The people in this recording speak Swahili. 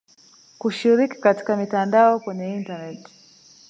kushiriki katika mitandao kwenye intaneti.